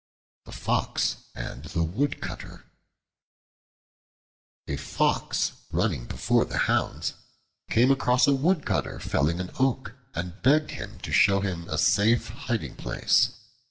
The Fox and the Woodcutter A FOX, running before the hounds, came across a Woodcutter felling an oak and begged him to show him a safe hiding place.